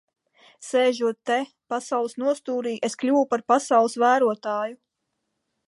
Sēžot te pasaules nostūrī, es kļuvu par pasaules vērotāju.